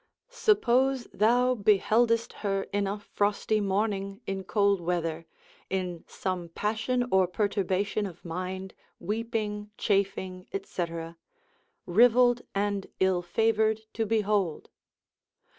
Suppose thou beheldest her in a frosty morning, in cold weather, in some passion or perturbation of mind, weeping, chafing, &c., rivelled and ill favoured to behold.